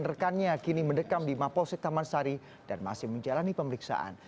dan rekannya kini mendekam di mapo sek taman sari dan masih menjalani pemeriksaan